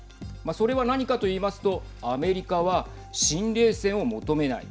これは何かと言いますとアメリカは新冷戦を求めない。